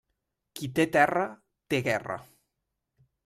Qui té terra, té guerra.